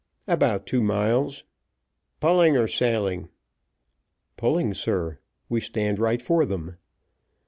"About two miles." "Pulling or sailing?" "Pulling, sir; we stand right for them."